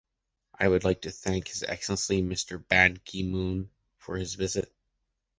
I would like to thank His Excellency Mr. Ban Ki-moon for his visit.